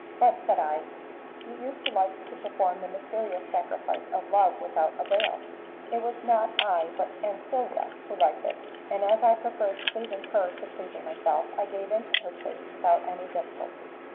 "But," said I, "you used to like to perform the mysterious sacrifice of Love without a veil." "It was not I but Ancilla who liked it, and as I preferred pleasing her to pleasing myself, I gave in to her taste without any difficulty."